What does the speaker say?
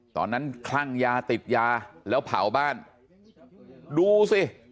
คลั่งยาติดยาแล้วเผาบ้านดูสิ